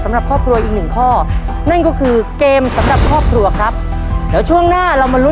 สำหรับข้อมูลก็คือรีดเสื้อและกางเกงจำนวนอย่างละ๔ตัวภายในเวลา๓นาที